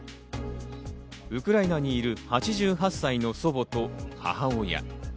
ウクライナにいる８８歳の祖母と母親。